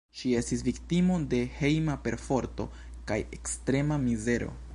Ŝi estis viktimo de hejma perforto kaj ekstrema mizero.